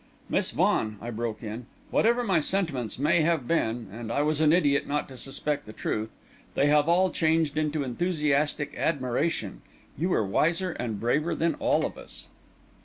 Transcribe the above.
"Miss Vaughan," I broke in, "whatever my sentiments may have been and I was an idiot not to suspect the truth! they have all changed into enthusiastic admiration. You were wiser and braver than all of us."